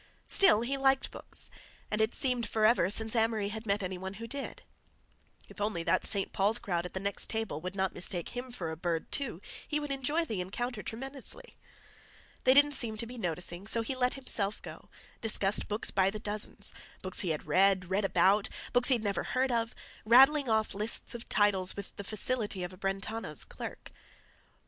Still, he liked books, and it seemed forever since Amory had met any one who did; if only that St. Paul's crowd at the next table would not mistake him for a bird, too, he would enjoy the encounter tremendously. They didn't seem to be noticing, so he let himself go, discussed books by the dozens—books he had read, read about, books he had never heard of, rattling off lists of titles with the facility of a Brentano's clerk.